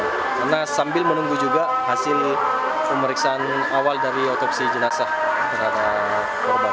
karena sambil menunggu juga hasil pemeriksaan awal dari otopsi jenazah terhadap korban